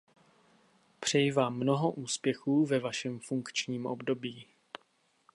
Přeji vám mnoho úspěchů ve vašem funkčním období.